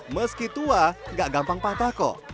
meski tua nggak gampang patah kok